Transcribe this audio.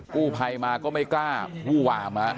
กู้ไพมาก็ไม่กล้าวู่หว่ามา